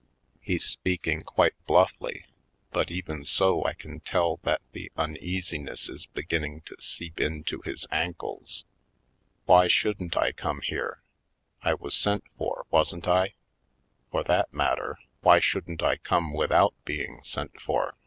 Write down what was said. He's speaking quite blufify, but even so I can tell that the uneasiness is be ginning to seep into his ankles. "Why shouldn't I come here? I was sent for, wasn't I? For that matter, why shouldn't I come without being sent for?